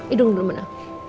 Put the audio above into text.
iduh dulu ma